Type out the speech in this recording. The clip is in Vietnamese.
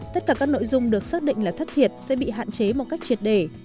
tất cả các nội dung được xác định là thất thiệt sẽ bị hạn chế một cách triệt đề